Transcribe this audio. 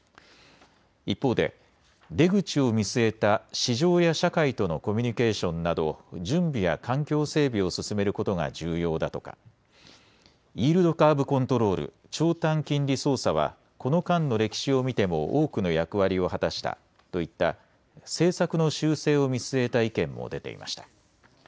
一方で出口を見据えた市場や社会とのコミュニケーションなど準備や環境整備を進めることが重要だとかイールドカーブ・コントロール・長短金利操作はこの間の歴史を見ても多くの役割を果たしたといった政策の修正を見据えた意見も出ていました。